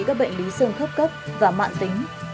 các bệnh lý sương khớp cấp và mạng tính